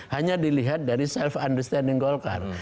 hanya dilihat dari self understanding golkar